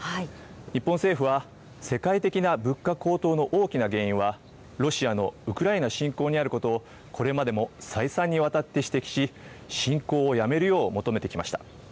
日本政府は、世界的な物価高騰の大きな原因は、ロシアのウクライナ侵攻にあることを、これまでも再三にわたって指摘し、侵攻をやめるよう求めてきました。